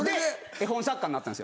絵本作家になったんですよ。